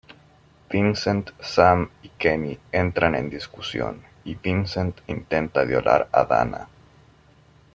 Vincent, Sam y Kenny entran en discusión y Vincent intenta violar a Dana.